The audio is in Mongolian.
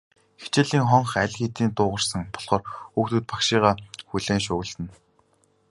Хичээлийн хонх аль хэдийн дуугарсан болохоор хүүхдүүд багшийгаа хүлээн шуугилдана.